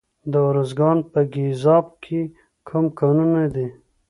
د ارزګان په ګیزاب کې کوم کانونه دي؟